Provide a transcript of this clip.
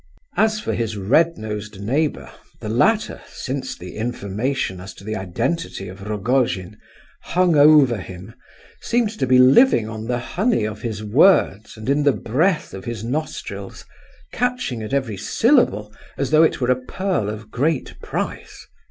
As for his red nosed neighbour, the latter—since the information as to the identity of Rogojin—hung over him, seemed to be living on the honey of his words and in the breath of his nostrils, catching at every syllable as though it were a pearl of great price.